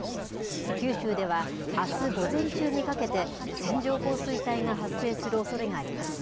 九州では、あす午前中にかけて、線状降水帯が発生するおそれがあります。